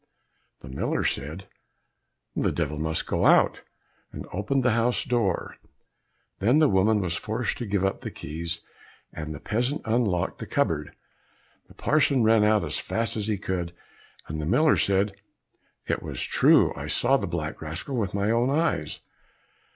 The miller said, "The Devil must go out," and opened the house door; then the woman was forced to give up the keys, and the peasant unlocked the cupboard. The parson ran out as fast as he could, and the miller said, "It was true; I saw the black rascal with my own eyes."